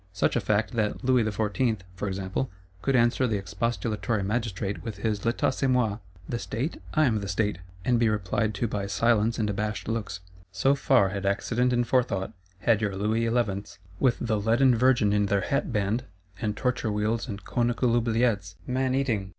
Such a Fact, that Louis XIV., for example, could answer the expostulatory Magistrate with his 'L'Etat c'est moi (The State? I am the State);' and be replied to by silence and abashed looks. So far had accident and forethought; had your Louis Elevenths, with the leaden Virgin in their hatband, and torture wheels and conical oubliettes (man eating!)